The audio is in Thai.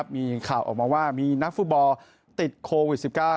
มีข่าวออกมาว่ามีนักฟุตบอลติดโควิด๑๙